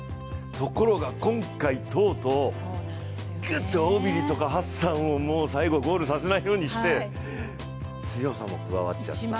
ところが、今回とうとう、ぐっとオビリとかハッサンをゴールさせないようにして強さも加わっちゃって。